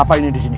gapapa ini disini